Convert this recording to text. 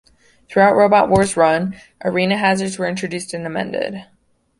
Throughout Robot Wars' run, arena hazards were introduced and amended.